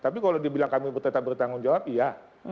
tapi kalau dibilang kami tetap bertanggung jawab iya